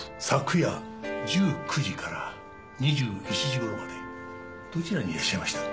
昨夜１９時から２１時頃までどちらにいらっしゃいました？